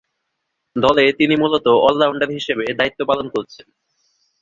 দল তিনি মূলতঃ অল-রাউন্ডার হিসেবে দায়িত্ব পালন করছেন।